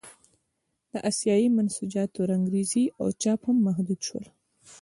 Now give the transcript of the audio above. د اسیايي منسوجاتو رنګرېزي او چاپ هم محدود شول.